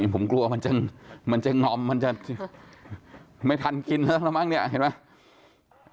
ผมกลัวมันจะงอมมันจะไม่ทันกินแล้วแล้วมั้งเนี่ยเห็นไหม